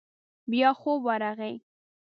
بيا خوب ورغی.